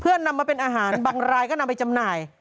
เพื่อนำมาเป็นอาหารบางรายก็นำไปจำหน่าย